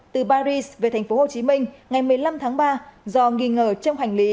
từ paris về thành phố hồ chí minh ngày một mươi năm tháng ba do nghi ngờ trong hành lý